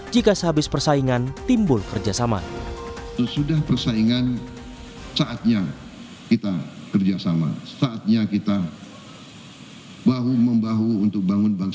jika sehabis persaingan timbul kerjasama